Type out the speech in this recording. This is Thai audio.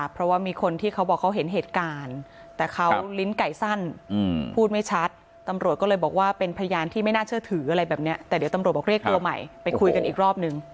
เพราะว่ามีคนที่เขาบอกเขาเห็นเหตุการณ์แต่เขาลิ้นไก่สั้นพูดไม่ชัดตำรวจก็เลยบอกว่าเป็นพยานที่ไม่น่าเชื่อถืออะไรแบบนี้แต่เดี๋ยวตำรวจบอกเรียกตัวใหม่ไปคุยกันอีกรอบนึง